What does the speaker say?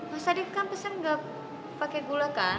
mas adik kan pesen enggak pake gula kan